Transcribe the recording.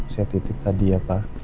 saya titip tadi ya pak